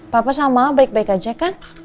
papa sama baik baik aja kan